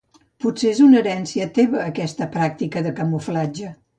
Potser és una herència teva, aquesta pràctica de camuflatge.